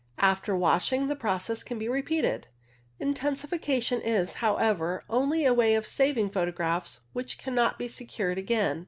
After washing, the process can be repeated. Intensification is, however, only a way of saving photographs which cannot be secured again.